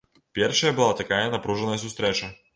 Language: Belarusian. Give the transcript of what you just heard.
Першая была такая напружаная сустрэча.